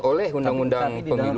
oleh undang undang pemilu